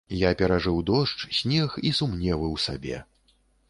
Я перажыў дождж, снег і сумневы ў сабе.